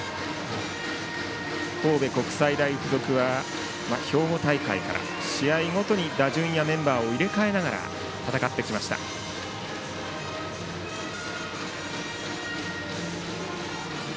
神戸国際大付属は兵庫大会から試合ごとに打順やメンバーを入れ替えながら戦ってきました。